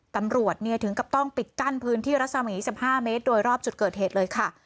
ตำรวจถึงกับต้องปิดกั้นพื้นที่รัศมี๑๕เมตรโดยรอบจุดเกิดเหตุเลยค่ะ